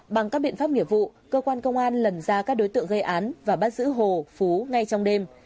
bằng các biện pháp nghiệp vụ cơ quan công an lần ra các đối tượng gây án và bắt giữ hồ phú ngay trong đêm